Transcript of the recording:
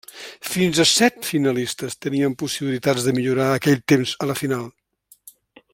Fins a set finalistes tenien possibilitats de millorar aquell temps a la final.